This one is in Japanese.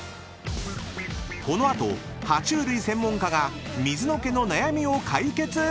［この後爬虫類専門家が水野家の悩みを解決！］